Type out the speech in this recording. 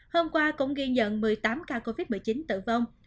hôm qua cũng ghi nhận một mươi tám ca covid một mươi chín tử vong